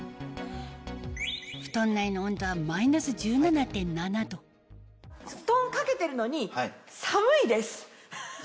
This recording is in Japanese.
布団内の温度はマイナス１７．７度布団掛けてるのに寒いです。